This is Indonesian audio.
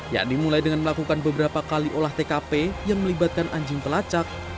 yakni mulai dengan melakukan beberapa kali olah tkp yang melibatkan anjing pelacak